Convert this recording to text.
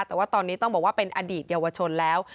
แต่ว่าตอนนี้ต้องบอกว่าเป็นอดีตเยาวชนแล้ว